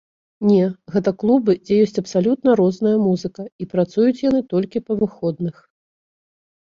Не, гэта клубы, дзе ёсць абсалютна розная музыка, і працуюць яны толькі па выходных.